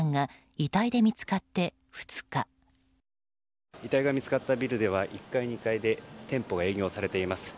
遺体が見つかったビルでは１階、２階で店舗が営業されています。